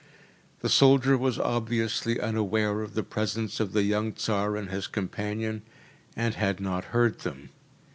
The soldier was obviously unaware of the presence of the young Tsar and his companion, and had not heard them.